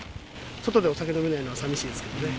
外でお酒飲めないのはさみしいですけどね。